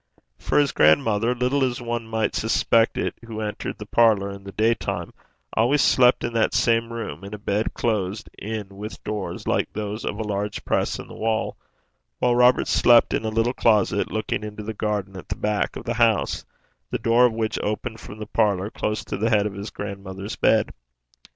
For his grandmother, little as one might suspect it who entered the parlour in the daytime, always slept in that same room, in a bed closed in with doors like those of a large press in the wall, while Robert slept in a little closet, looking into a garden at the back of the house, the door of which opened from the parlour close to the head of his grandmother's bed.